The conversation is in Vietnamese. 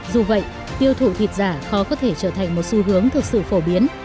dù vậy tiêu thụ thịt giả khó có thể trở thành một xu hướng thực sự phổ biến